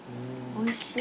おいしい。